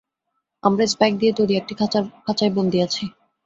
আমরা স্পাইক দিয়ে তৈরি একটা খাঁচায় বন্দী আছি।